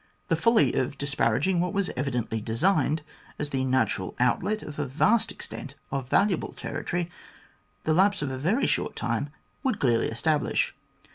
The folly of disparaging what was evidently designed as the natural outlet of a vast extent of valuable territory, the lapse of a very short time would clearly establish.